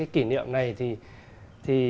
kỉ niệm này thì